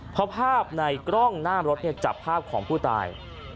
เพราะภาพในกล้องหน้ารถจับภาพของผู้ตาย